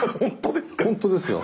本当ですか？